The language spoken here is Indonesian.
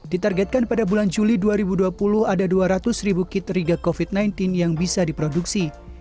ditargetkan pada bulan juli dua ribu dua puluh ada dua ratus ribu kit riga covid sembilan belas yang bisa diproduksi